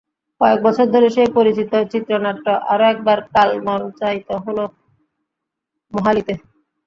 কয়েক বছর ধরে সেই পরিচিত চিত্রনাট্য আরও একবার কাল মঞ্চায়িত হলো মোহালিতে।